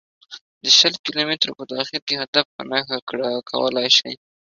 د شل کیلو مترو په داخل کې هدف په نښه کولای شي